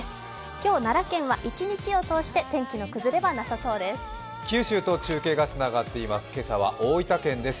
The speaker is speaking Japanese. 今日奈良県は一日を通して天気の崩れはなさそうです。